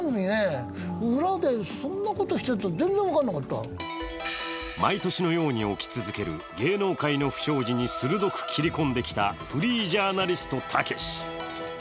まずは毎年のように起き続ける芸能界に不祥事に鋭く切り込んできた、フリージャーナリストたけし。